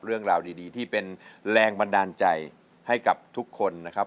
เรื่องราวดีที่เป็นแรงบันดาลใจให้กับทุกคนนะครับ